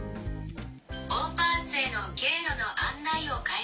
「オーパーツへの経路の案内を開始します」。